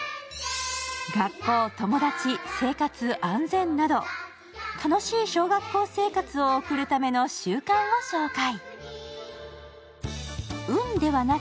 学校、友達、生活、安全など楽しい小学校生活を送るための習慣を紹介。